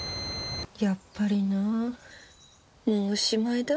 やっぱりなもうおしまいだ。